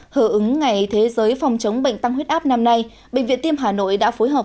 hở ứng ngày thế giới phòng chống bệnh tăng huyết áp năm nay bệnh viện tim hà nội đã phối hợp